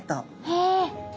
へえ。